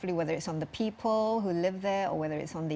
apakah itu pada orang orang yang tinggal di sana